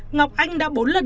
ngọc anh đã bốn lần